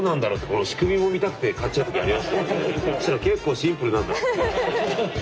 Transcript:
そしたら結構シンプルなんだって。